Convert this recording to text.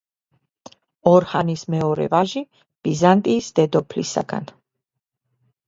ორჰანის მეორე ვაჟი ბიზანტიის დედოფლისგან.